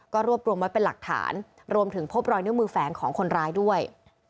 ก็รวบรวมไว้เป็นหลักฐานรวมถึงพบรอยนิ้วมือแฝงของคนร้ายด้วย